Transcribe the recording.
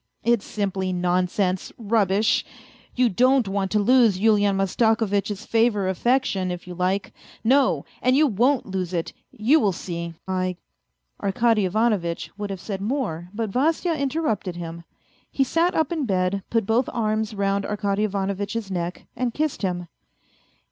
It's simply nonsense, rubbish ! You don't want to lose Yulian Masta kovitch's favour affection, if you like. No ! And you won't lose it, you will see. I " Arkady Ivanovitch would have said more, but Vasya inter rupted him. He sat up in bed, put both arms round Arkady Ivanovitch's neck and kissed him.